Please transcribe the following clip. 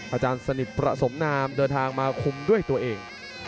อาจารย์สนิทประสมนามเดินทางมาคุมด้วยตัวเอง